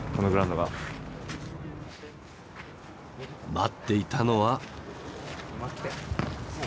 待っていたのは。